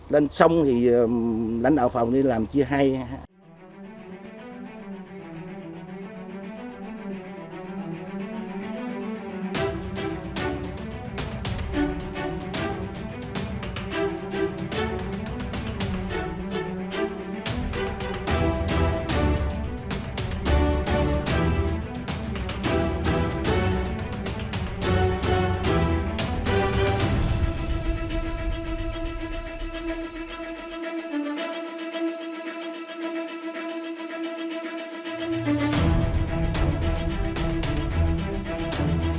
lên sông thì lãnh đạo phòng đi làm chứ hay ha